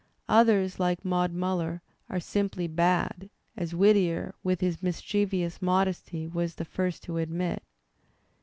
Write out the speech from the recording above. Others, like "Maud MUller," are simply bad, as Whittier, with his mischievous modesty, was the first to admit.